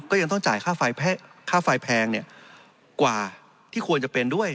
ยังต้องจ่ายค่าไฟแพงกว่าที่ควรจะเป็นด้วย